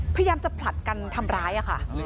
พยายามจะผลัดกันทำร้ายค่ะ